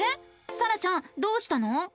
さらちゃんどうしたの？